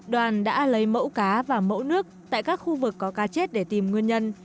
đoàn đã lấy mẫu cá và mẫu nước tại các khu vực có cá chết để tìm nguyên nhân